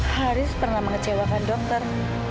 haris pernah mengecewakan dokter